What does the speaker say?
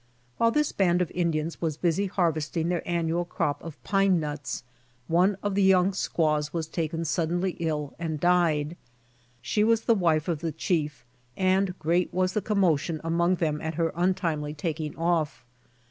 While this band of Indians was busy harvesting their annual crop of pine nuts, one of the young squaws was taken suddenly ill and died. She was the wife of the chief and great was the com motion among them at her untimely taking off.